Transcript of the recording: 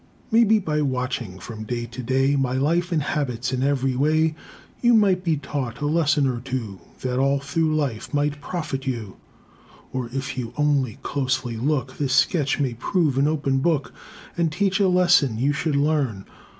Maybe by watching, from day to day, My life and habits in every way, You might be taught a lesson or two That all through life might profit you; Or if you only closely look, This sketch may prove an open book, And teach a lesson you should learn.